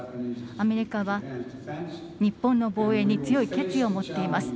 アメリカは日本の防衛に強い決意を持っています。